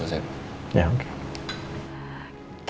kayaknya aku juga gak bisa ikut deh pak